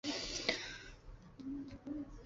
随着经费水涨船高更多的游戏被创造出来。